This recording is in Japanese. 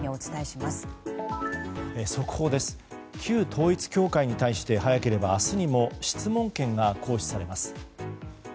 旧統一教会に対して早ければ明日にも質問権が行使されます。